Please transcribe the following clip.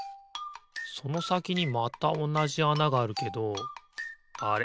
そのさきにまたおなじあながあるけどあれ？